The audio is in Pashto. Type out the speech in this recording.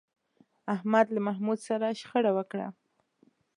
احمد له محمود سره شخړه وکړه.